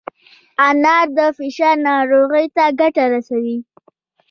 انار د فشار ناروغۍ ته ګټه رسوي.